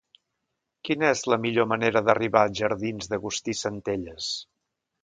Quina és la millor manera d'arribar als jardins d'Agustí Centelles?